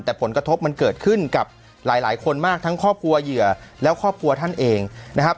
แต่ผลกระทบมันเกิดขึ้นกับหลายคนมากทั้งครอบครัวเหยื่อแล้วครอบครัวท่านเองนะครับ